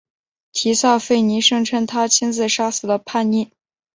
提萨斐尼声称他亲自杀死了叛逆。